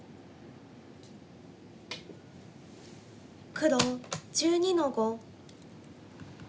黒１２の五。